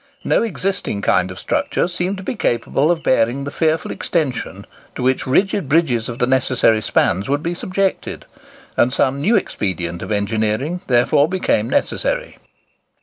No existing kind of structure seemed to be capable of bearing the fearful extension to which rigid bridges of the necessary spans would be subjected; and some new expedient of engineering therefore became necessary.